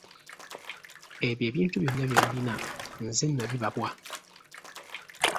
Ebyo ebintu byonna bye mulina nze nabibabwa.